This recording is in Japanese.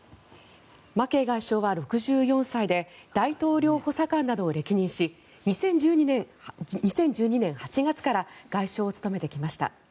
マケイ外相は６４歳で大統領補佐官などを歴任し２０１２年８月から外相を務めてきました。